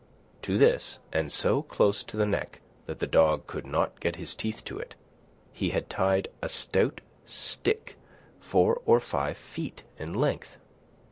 To this, and so close to the neck that the dog could not get his teeth to it, he had tied a stout stick four or five feet in length.